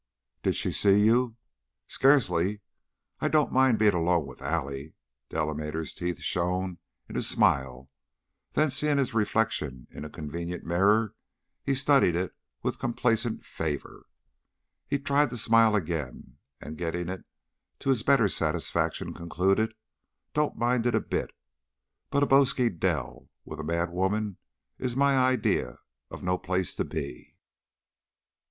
"Did she see you?" "Scarcely. I don't mind being alone with Allie" Delamater's teeth shone in a smile, then, seeing his reflection in a convenient mirror, he studied it with complacent favor. He tried the smile again, and, getting it to his better satisfaction, concluded "don't mind it a bit, but a bosky dell with a mad woman is my idea of no place to be."